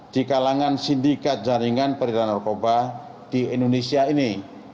di kalangan sindikat jaringan perintah narkoba di indonesia ini